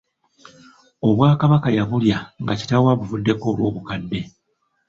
Obwakabaka yabulya nga kitaawe abuvuddeko olw'obukadde.